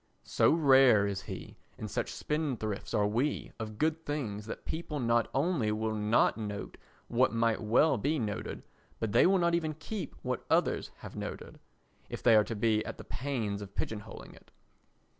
So rare is he and such spendthrifts are we of good things that people not only will not note what might well be noted but they will not even keep what others have noted, if they are to be at the pains of pigeon holing it.